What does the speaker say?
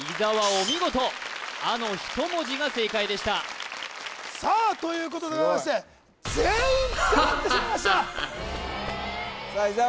お見事「あ」の１文字が正解でしたさあということでございまして全員捕まってしまいました伊沢